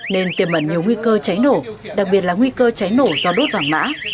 nên tiềm mẩn nhiều nguy cơ cháy nổ đặc biệt là nguy cơ cháy nổ do đốt vàng mã